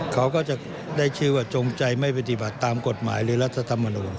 เขาก็จะได้ชื่อว่าจงใจไม่ปฏิบัติตามกฎหมายหรือรัฐธรรมนูญ